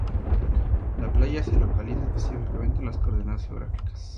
La playa se localiza específicamente en las coordenadas geográficas